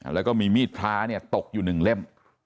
แล้วก็มีมีดพระตกอยู่๑เล่ม